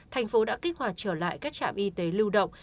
thành phố đã kích hoạt trở lại các trạm y tế lưu động